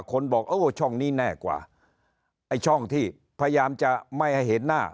บอกเออช่องนี้แน่กว่าไอ้ช่องที่พยายามจะไม่ให้เห็นหน้า